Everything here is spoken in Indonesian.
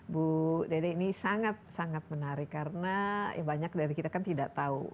bu dede ini sangat sangat menarik karena banyak dari kita kan tidak tahu